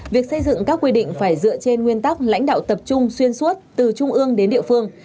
việc xây dựng các quy định phải dựa trên nguyên tắc lãnh đạo tập trung xuyên suốt từ trung ương đến địa phương